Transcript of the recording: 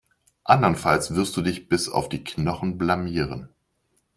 Andernfalls wirst du dich bis auf die Knochen blamieren.